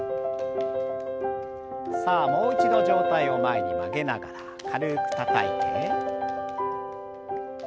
さあもう一度上体を前に曲げながら軽くたたいて。